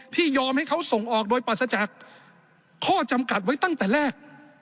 ยอมให้เขาส่งออกโดยปรัสจากข้อจำกัดไว้ตั้งแต่แรก